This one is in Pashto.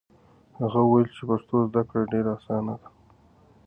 هغه وویل چې پښتو زده کړه ډېره اسانه ده.